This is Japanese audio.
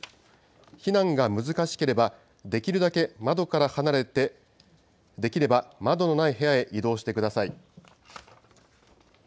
避難が難しければ、できるだけ窓から離れて、できれば窓のない部屋へ移動してください。